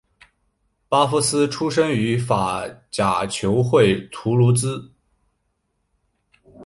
巴夫斯出身于法甲球会图卢兹。